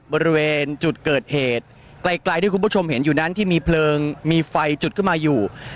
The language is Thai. บริเวณจุดเกิดเหตุไกลที่คุณผู้ชมเห็นอยู่นั้นที่มีเพลิงมีไฟจุดขึ้นมาอยู่